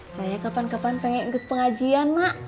saya kapan kapan pengen ikut pengajian mak